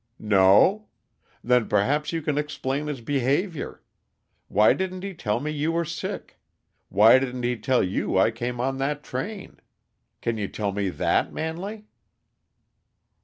"No? Then perhaps you can explain his behavior. Why didn't he tell me you were sick? Why didn't he tell you I came on that train? Can you tell me that, Manley?"